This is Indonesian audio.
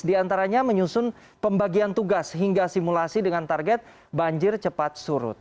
diantaranya menyusun pembagian tugas hingga simulasi dengan target banjir cepat surut